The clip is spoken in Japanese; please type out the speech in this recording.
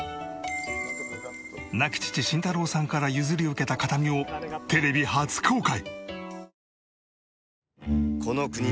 亡き父慎太郎さんから譲り受けた形見をテレビ初公開！